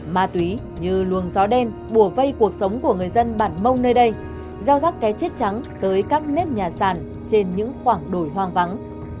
ma túy như luồng gió đen bùa vây cuộc sống của người dân bản mông nơi đây gieo rắc cái chết trắng tới các nếp nhà sàn trên những khoảng đồi hoang vắng